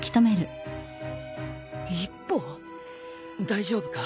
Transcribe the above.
大丈夫か？